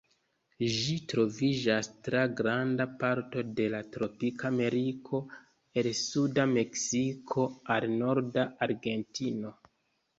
Ĝi troviĝas tra granda parto de tropika Ameriko, el suda Meksiko al norda Argentino.